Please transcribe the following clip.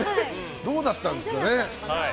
どうだったんですかね。